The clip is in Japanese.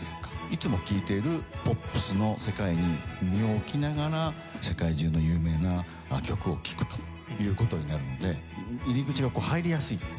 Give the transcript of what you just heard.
いつも聴いているポップスの世界に身を置きながら世界中の有名な曲を聴くという事になるので入り口が入りやすいっていうね。